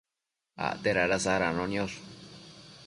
acte dada sadacno niosh